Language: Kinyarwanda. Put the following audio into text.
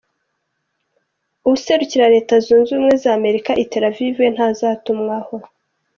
Uwuserukira Leta zunze Ubumwe za Amerika i Tel Aviv we ntazotumwako.